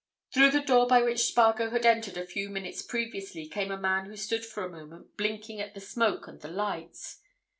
Through the door by which Spargo had entered a few minutes previously came a man who stood for a moment blinking at the smoke and the lights.